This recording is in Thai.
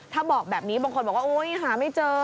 ถ้าบอกแบบนี้บางคนบอกว่าโอ๊ยหาไม่เจอ